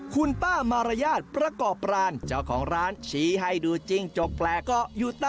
คุณป้ามารยาทประกอบรานเจ้าของร้านชี้ให้ดูจิ้งจกแปลกก็อยู่ใต้